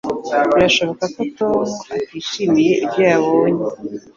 Birashoboka ko Tom atishimiye ibyo yabonye